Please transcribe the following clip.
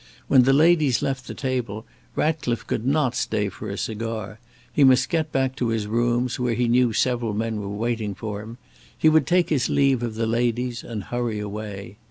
When the ladies left the table, Ratcliffe could not stay for a cigar; he must get back to his rooms, where he knew several men were waiting for him; he would take his leave of the ladies and hurry away.